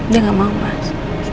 dia gak mau mas